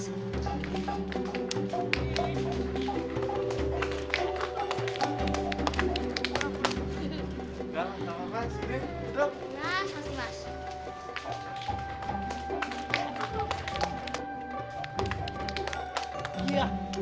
saat itu sebelumnyaadem left his hand